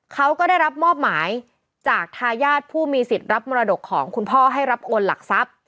เขาก็ได้รับมอบหมายจากทายาทผู้มีสิทธิ์รับมรดกของคุณพ่อให้รับโอนหลักทรัพย์